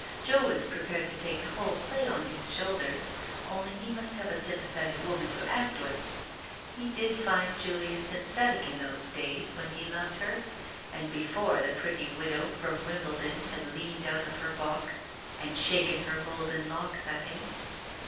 Joe was prepared to take the whole play on his own shoulders, only he must have a sympathetic woman to act with. He did find Julia sympathetic in those da^s when he loved her, and before the pretty widow from Wimbledon had leaned out of her box and shaken her golden locks at him.